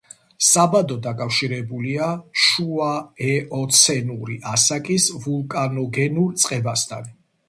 საბადო დაკავშირებულია შუაეოცენური ასაკის ვულკანოგენურ წყებასთან.